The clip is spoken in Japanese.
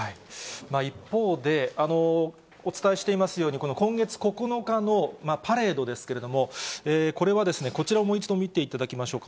一方で、お伝えしていますように、この今月９日のパレードですけれども、これはですね、こちらをもう一度見ていただきましょうか。